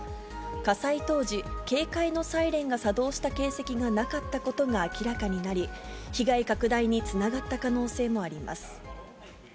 火災当時、警戒のサイレンが作動した形跡がなかったことが明らかになり、被害拡大につながった可能性もあります。